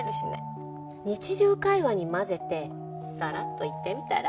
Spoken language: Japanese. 日常会話に交ぜてサラッと言ってみたら？